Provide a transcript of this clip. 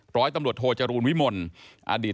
ร้อยตำรวจโทจรูลวิมลอดีต